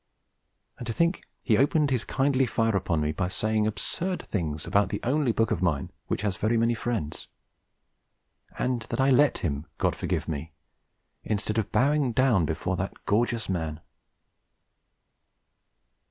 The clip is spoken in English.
And to think that he opened his kindly fire upon me by saying absurd things about the only book of mine which has very many friends; and that I let him, God forgive me, instead of bowing down before the gorgeous man!